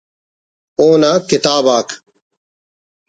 اونا کتاب آک